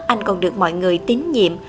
anh còn được mọi người tín nhiệm